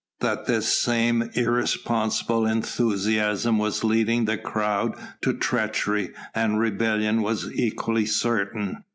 That this same irresponsible enthusiasm was leading the crowd to treachery and rebellion was equally certain.